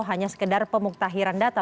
hanya sekedar pemuktahiran data